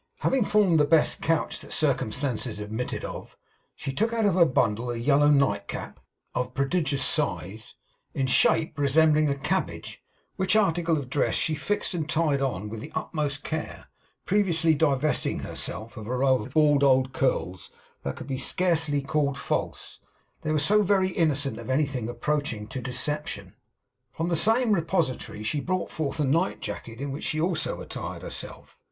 Having formed the best couch that the circumstances admitted of, she took out of her bundle a yellow night cap, of prodigious size, in shape resembling a cabbage; which article of dress she fixed and tied on with the utmost care, previously divesting herself of a row of bald old curls that could scarcely be called false, they were so very innocent of anything approaching to deception. From the same repository she brought forth a night jacket, in which she also attired herself.